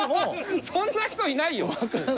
そんな人いないよ！